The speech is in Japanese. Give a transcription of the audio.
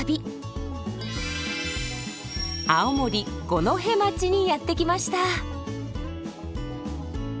青森・五戸町にやって来ました。